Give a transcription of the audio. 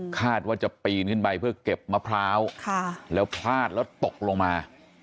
คาดว่าจะปีนขึ้นไปเพื่อเก็บมะพร้าวแล้วพลาดแล้วตกลงมา